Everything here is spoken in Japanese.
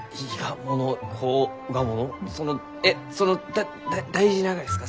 そのえっその大事ながですか？